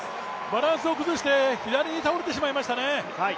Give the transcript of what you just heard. バランスを崩して左に倒してしまいましたね。